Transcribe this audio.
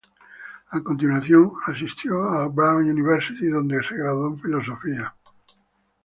A continuación asistió a la Brown University donde se graduó en filosofía.